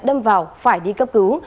đâm vào phải đi cấp cứu